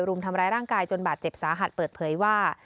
รุมทำร้ายร่างกายจนบาดเจ็บสาหัสเปิดเผยว่า